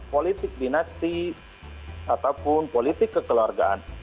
politik dinasti ataupun politik kekeluargaan